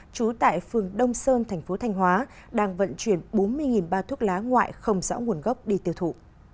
trú tại phường đông sơn tp thanh hóa đang vận chuyển bốn mươi ba thuốc lá ngoại không rõ nguồn gốc đi tiêu thụ